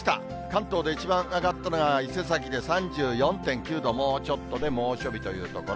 関東で一番あったかかったのは伊勢崎で３４．９度、もうちょっとで猛暑日というところ。